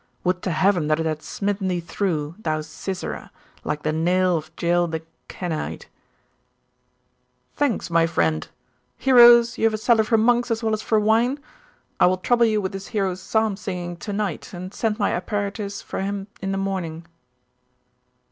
Would to heaven that it had smitten thee through, thou Sisera, like the nail of Jael the Kenite!' 'Thanks, my friend. Heroes, you have a cellar for monks as well as for wine? I will trouble you with this hero's psalm singing tonight, and send my apparitors for him in the morning.